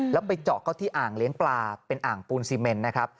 แล้วไปเจาะเข้าที่อ่างเลี้ยงปลาเป็นอ่างปูนซีเมนนะครับ